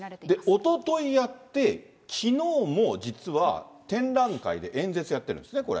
おとといやって、きのうも実は展覧会で演説やってるんですね、これ。